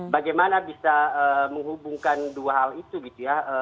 bagaimana bisa menghubungkan dua hal itu gitu ya